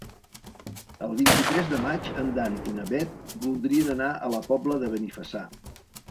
El vint-i-tres de maig en Dan i na Bet voldrien anar a la Pobla de Benifassà.